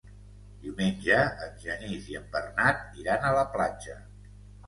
Diumenge en Genís i en Bernat iran a la platja.